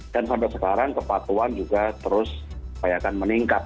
dan sampai sekarang kepatuan juga terus banyak meningkat